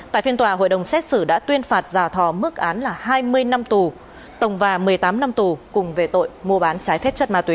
tại phiên tòa hội đồng xét xử đã tuyên phạt giả thò mức án là hai mươi năm tù tổng và một mươi tám năm tù cùng về tội mua bán trái phép chất ma túy